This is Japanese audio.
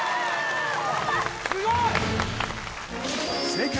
・すごい！